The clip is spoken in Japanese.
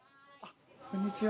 こんにちは。